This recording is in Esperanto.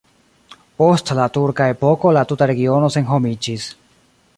Post la turka epoko la tuta regiono senhomiĝis.